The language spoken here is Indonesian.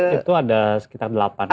itu ada sekitar delapan